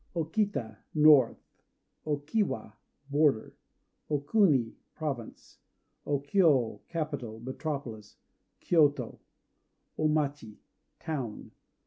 O Kita "North." O Kiwa "Border." O Kuni "Province." O Kyô "Capital," metropolis, Kyôto. O Machi "Town."